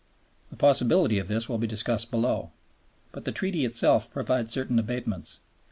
The possibility of this will be discussed below. But the Treaty itself provides certain abatements.